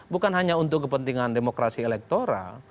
bukan hanya untuk kepentingan demokrasi elektoral